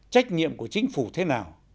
trách nhiệm của chính phủ thế nào